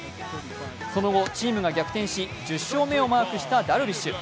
その後、チームが逆転し、１０勝目をマークしたダルビッシュ。